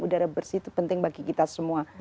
udara bersih itu penting bagi kita semua